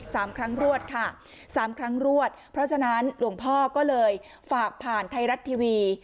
สามครั้งรวดค่ะสามครั้งรวดเพราะฉะนั้นหลวงพ่อก็เลยฝากผ่านไทยรัฐทีวี